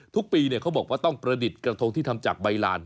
ทุกปีเขาบอกว่าต้องประดิษฐ์กระทงที่ทำจากใบลาน